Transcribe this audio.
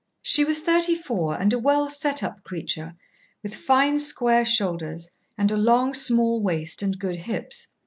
She was thirty four and a well set up creature, with fine square shoulders and a long small waist and good hips.